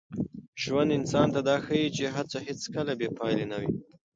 ژوند انسان ته دا ښيي چي هڅه هېڅکله بې پایلې نه وي.